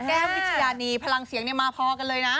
วิชญานีพลังเสียงมาพอกันเลยนะ